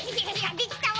できたわ。